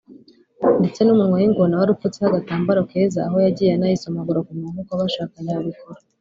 ndetse n’umunwa wingona warupfutseho agatambaro keza aho yagiye anayisomagura ku munwa nk’uko abashakanye babikora